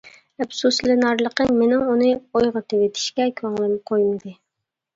ئەپسۇسلىنارلىقى مېنىڭ ئۇنى ئويغىتىۋېتىشكە كۆڭلۈم قويمىدى.